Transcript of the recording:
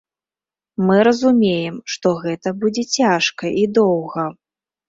Мы разумеем, што гэта будзе цяжка і доўга.